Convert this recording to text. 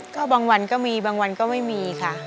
ก็บางวันก็มีบางวันก็ไม่มีค่ะ